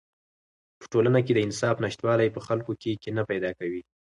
په ټولنه کې د انصاف نشتوالی په خلکو کې کینه پیدا کوي.